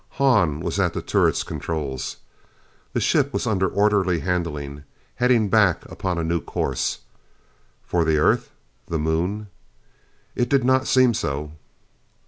Hahn was at the turret's controls. The ship was under orderly handling, heading back upon a new course. For the Earth? The Moon? It did not seem so.